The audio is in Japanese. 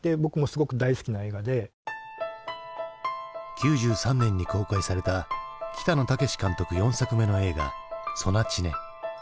９３年に公開された北野武監督４作目の映画「ソナチネ」。